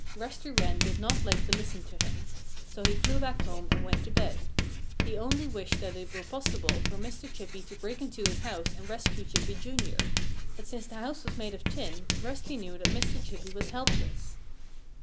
Rusty Wren did not like to listen to him. So he flew back home and went to bed. He only wished that it were possible for Mr. Chippy to break into his house and rescue Chippy, Jr. But since the house was made of tin, Rusty knew that Mr. Chippy was helpless.